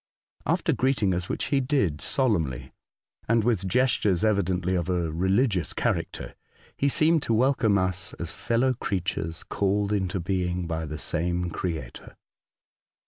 After greeting us, which he did solemnly, and with gestures evidently of a religious character, he seemed to welcome us as fellow creatures called into being by the same Creator.